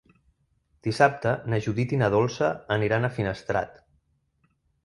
Dissabte na Judit i na Dolça aniran a Finestrat.